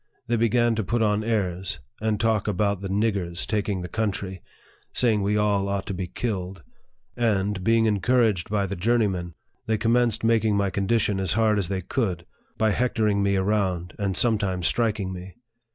They began to put on airs, and talk about the 41 niggers " taking the country, saying we all ought to be killed ; and, being encouraged by the journeymen, they commenced making my condition as hard as they could, by hectoring me around, and sometimes striking me.